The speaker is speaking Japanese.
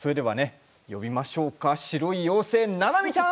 呼びましょうか、白い妖精ななみちゃん！